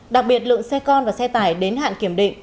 đặc biệt lượng xe con và xe tải đến hạn kiểm định